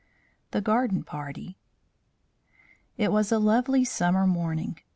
THE GARDEN PARTY It was a lovely summer morning.